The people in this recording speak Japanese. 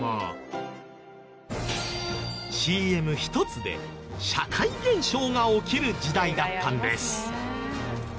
ＣＭ１つで社会現象が起きる時代だったんです。